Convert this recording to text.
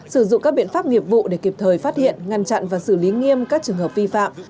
sử dụng các biện pháp nghiệp vụ để kịp thời phát hiện ngăn chặn và xử lý nghiêm các trường hợp vi phạm